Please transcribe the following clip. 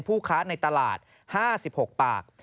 ผู้ค้าในตลาด๕๖ปาก